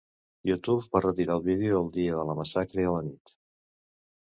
YouTube va retirar el vídeo el dia de la massacre a la nit.